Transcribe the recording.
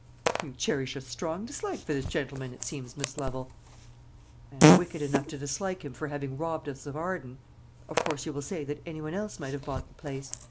"You cherish a strong dislike for this gentleman, it seems, Miss Lovel." "I am wicked enough to dislike him for having robbed us of Arden. Of course you will say that any one else might have bought the place.